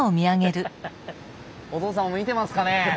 お父さんも見てますかね。